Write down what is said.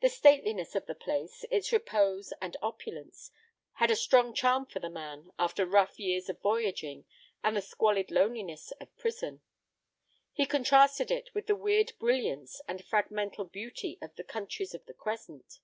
The stateliness of the place, its repose and opulence, had a strong charm for the man after rough years of voyaging and the squalid loneliness of prison. He contrasted it with the weird brilliance and fragmental beauty of the countries of the Crescent.